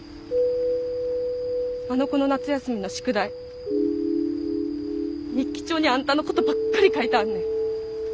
あの子の夏休みの宿題日記帳にあんたのことばっかり書いてあんねん。